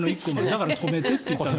だから止めてって言ったの。